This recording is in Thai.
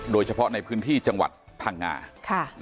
โดยเฉพาะในพื้นที่จังหวัดพังงา